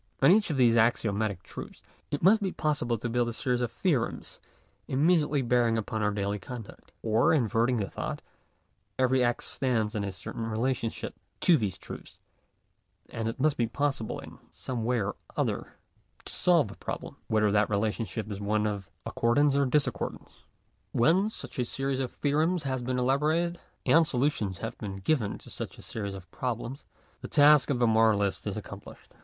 On each of these axiomatic truths it must be possible to build a series of theorems immediately bearing upon our daily conduct; or, inverting the thought — every act stands in a certain relationship to these truths, and it must be possible in some way or other Digitized by VjOOQIC 72 THE DIVINE IDEA, ETC. to solve the problem, whether that relationship is one of accord ance or discordance. When such a series of theorems has been elaborated, and solutions have been given to such a series of problems, the task of the moralist is accomplished.